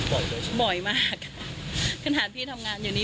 แบบมอสไซค์ที่ขึ้นมาบ่อยบ่อยมากขนาดพี่ทำงานอยู่นี้